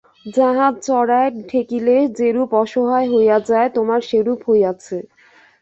জাহাজ চড়ায় ঠেকিলে যেরূপ অসহায় হইয়া যায়, তোমার সেইরূপ হইয়াছে।